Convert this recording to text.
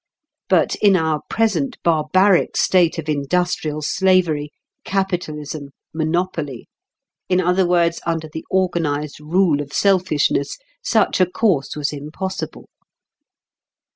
But in our present barbaric state of industrial slavery, capitalism, monopoly—in other words under the organised rule of selfishness—such a course was impossible.